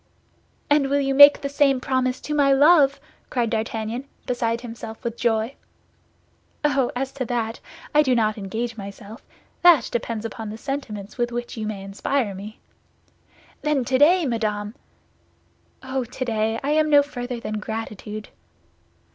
"And will you make the same promise to my love?" cried D'Artagnan, beside himself with joy. "Oh, as to that, I do not engage myself. That depends upon the sentiments with which you may inspire me." "Then today, madame—" "Oh, today, I am no further than gratitude."